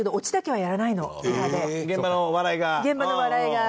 現場のお笑いが。